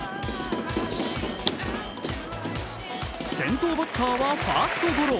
先頭バッターはファーストゴロ。